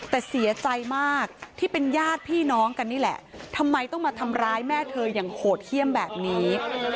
แต่เสียใจมากที่เป็นญาติพี่น้องกันนี่แหละทำไมต้องมาทำร้ายแม่เธออย่างโหดเยี่ยมแบบนี้